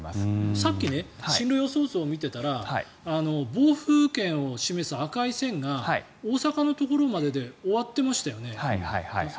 さっき進路予想図を見てたら暴風圏を示す赤い線が大阪のところまでで終わっていましたよね？